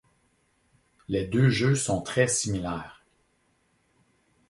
Les deux jeux sont très similaires.